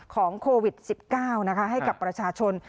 ของโควิด๑๙นะคะให้กับประชาชน